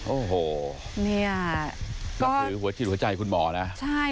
โอ้โหเนี่ยนับถือหัวจิตหัวใจคุณหมอนะใช่